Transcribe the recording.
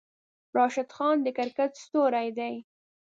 راشد خان د کرکیټ ستوری دی.